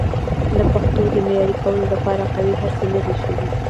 د پښتو د معیاري کولو لپاره قوي هڅې نه دي شوي.